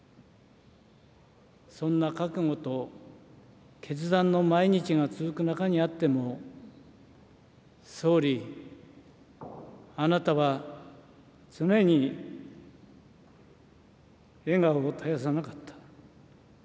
そんな覚悟と決断の毎日が続く中にあっても、総理、あなたは常に笑顔を絶やさなかった。